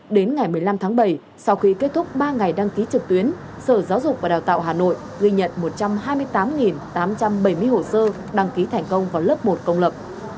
đến ngày một mươi năm tháng bảy sau khi kết thúc ba ngày đăng ký trực tuyến sở giáo dục và đào tạo hà nội ghi nhận một trăm hai mươi tám tám trăm bảy mươi hồ sơ đăng ký thành công vào lớp một công lập